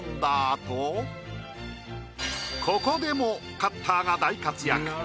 あとここでもカッターが大活躍。